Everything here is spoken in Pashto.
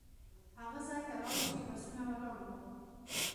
هغه ځای ته لاړو چې بسونه ولاړ وو.